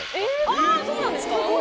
あそうなんですか！